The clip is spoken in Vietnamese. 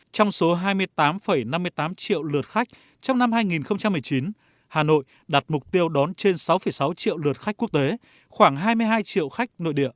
trong số hai mươi tám năm mươi tám triệu lượt khách trong năm hai nghìn một mươi chín hà nội đặt mục tiêu đón trên sáu sáu triệu lượt khách quốc tế khoảng hai mươi hai triệu khách nội địa